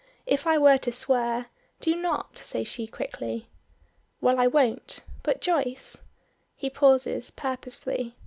If I were to swear " "Do not," says she quickly. "Well, I won't. But Joyce!" He pauses, purposely.